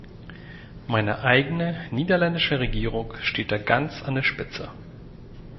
Meine eigene niederländische Regierung steht da ganz an der Spitze.